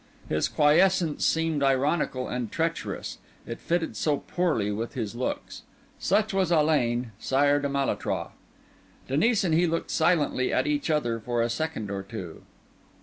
His quiescence seemed ironical and treacherous, it fitted so poorly with his looks. Such was Alain, Sire de Malétroit. Denis and he looked silently at each other for a second or two.